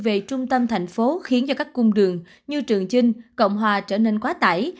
về trung tâm thành phố khiến cho các cung đường như trường chinh cộng hòa trở nên quá tải